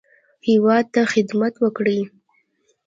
هیواد ته خدمت وکړي.